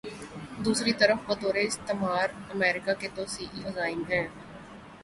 دوسری طرف بطور استعمار، امریکہ کے توسیعی عزائم ہیں۔